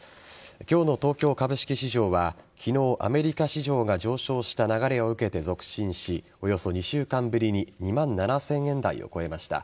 今日の東京株式市場は昨日、アメリカ市場が上昇した流れを受けて続伸しおよそ２週間ぶりに２万７０００円台を超えました。